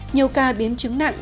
nhiều ca biến chứng nặng